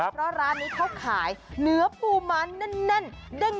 เพราะร้านนี้เข้าขายเนื้อปูมานแน่น